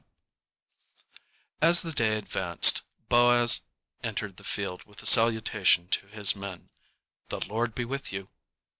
_ As the day advanced, Boaz entered the field with the salutation to his men, "The Lord be with you."